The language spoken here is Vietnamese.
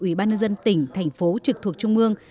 ubnd tỉnh thành phố trực thuộc trung mương